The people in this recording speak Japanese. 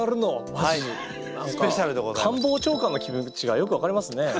何か官房長官の気持ちがよく分かりますね。